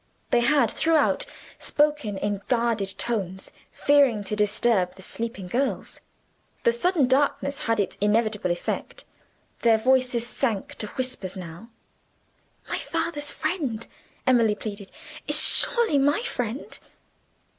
They had throughout spoken in guarded tones, fearing to disturb the sleeping girls. The sudden darkness had its inevitable effect. Their voices sank to whispers now. "My father's friend," Emily pleaded, "is surely my friend?"